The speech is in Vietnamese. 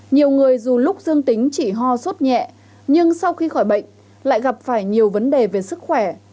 nhiều người dù lúc dương tính chỉ ho sốt nhẹ nhưng sau khi khỏi bệnh lại gặp phải nhiều vấn đề về sức khỏe